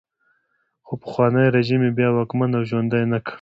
خو پخوانی رژیم یې بیا واکمن او ژوندی نه کړ.